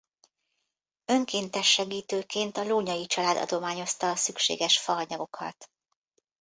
Önkéntes segítőként a Lónyay család adományozta a szükséges faanyagokat.